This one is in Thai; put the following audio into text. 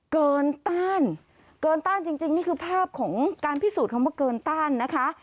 ต้านเกินต้านจริงนี่คือภาพของการพิสูจน์คำว่าเกินต้านนะคะ